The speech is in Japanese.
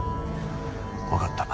わかった。